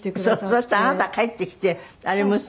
そしたらあなたが帰ってきて「あれ娘」。